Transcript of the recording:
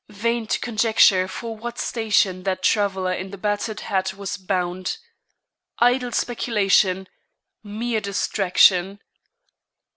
Vain to conjecture for what station that traveller in the battered hat was bound! Idle speculation! Mere distraction!